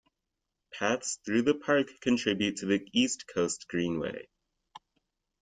Paths through the park contribute to the East Coast Greenway.